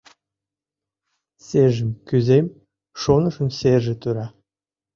Сержым кӱзем, шонышым — серже тура.